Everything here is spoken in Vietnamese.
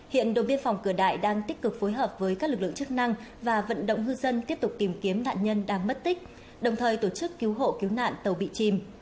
hiện đồn biên phòng cửa đại đang tích cực phối hợp với các lực lượng chức năng và vận động ngư dân tiếp tục tìm kiếm nạn nhân đang mất tích đồng thời tổ chức cứu hộ cứu nạn tàu bị chìm